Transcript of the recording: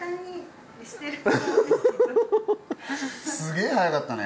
すげぇ早かったね